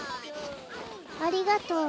ありがとう。